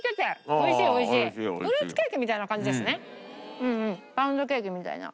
ああうんうんパウンドケーキみたいな。